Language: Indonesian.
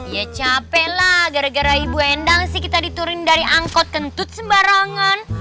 ya capek lah gara gara ibu endang sih kita diturun dari angkot kentut sembarangan